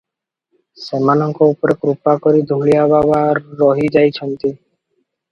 ସେମାନଙ୍କ ଉପରେ କୃପା କରି ଧୂଳିଆ ବାବା ରହି ଯାଇଛନ୍ତି ।